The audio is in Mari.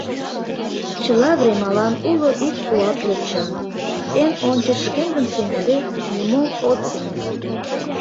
Чыла времалан Уло ик куатле чын: Эн ончыч шкендым сеҥыде, Нимом от сеҥе!